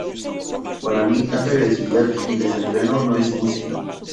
Para mí, tanta agresividad y desenfreno no es música.